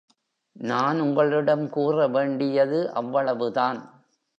நான் உங்களிடம் கூற வேண்டியது அவ்வளவுதான்!